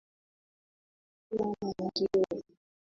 Hakuna mwingine